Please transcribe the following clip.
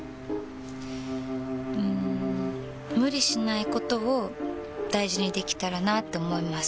うん無理しないことを大事にできたらなって思います。